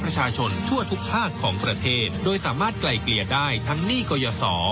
ประชาชนทั่วทุกภาคของประเทศโดยสามารถไกลเกลี่ยได้ทั้งหนี้กรยศ